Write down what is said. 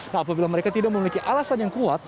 nah apabila mereka tidak memiliki alasan yang kuat